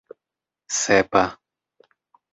sepa